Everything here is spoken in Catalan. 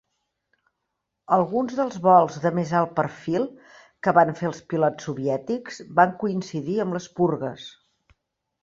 Alguns dels vols de més alt perfil que van fer els pilots soviètics van coincidir amb les purgues.